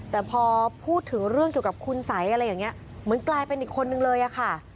แต่พอพูดถึงเรื่องเกี่ยวกับคุณสัยอะไรอย่างนี้เหมือนกลายเป็นอีกคนนึงเลยอะค่ะ